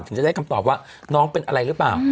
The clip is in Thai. ถึงจะได้คำตอบว่าน้องเป็นอะไรหรือเปล่า